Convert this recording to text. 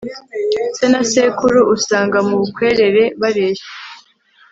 se na sekuru usanga mu bukwerere bareshya